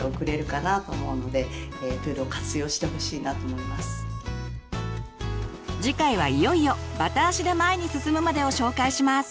お子さんそのあと次回はいよいよバタ足で前に進むまでを紹介します。